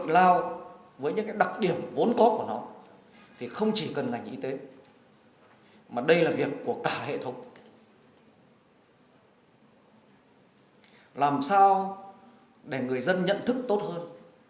làm sao để người dân nhận thức tốt hơn